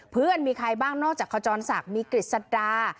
เพื่อนมีใครบ้างนอกจากขจรศักดิ์มีกฤษฎา